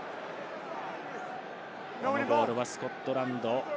このボールはスコットランド。